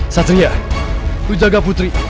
satria lu jaga putri